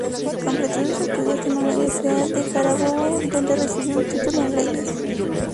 Completó sus estudios en la Universidad de Carabobo, donde recibió un título en leyes.